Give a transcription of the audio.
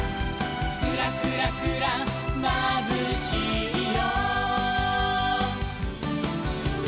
「クラクラクラまぶしいよ」